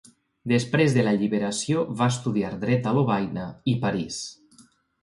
Després de l'alliberació, va estudiar dret a Lovaina i París.